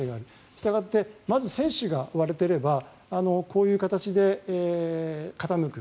したがってまず船首が割れてればまずこういう形で傾く。